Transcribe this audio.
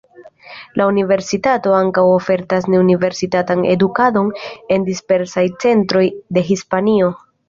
La universitato ankaŭ ofertas ne-universitatan edukadon en diversaj centroj de Hispanio.